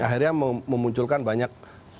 akhirnya memunculkan banyak